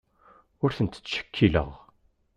Ur tent-ttcekkileɣ.